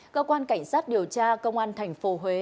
cơ quan cảnh sát điều tra công an tp huế